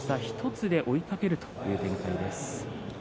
１つで追いかけるという展開の錦富士です。